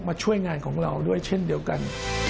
ช่วยงานของเราด้วยเช่นเดียวกัน